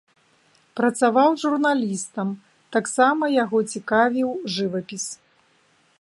Працаваў журналістам, таксама яго цікавіў жывапіс.